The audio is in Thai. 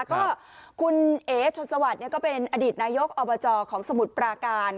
ก็คุณเอ๋ชนสวัสดิ์ก็เป็นอดีตนายกอบจของสมุทรปราการ